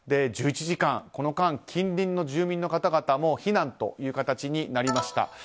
１１時間、この間近隣の住民の方々も避難という形になりました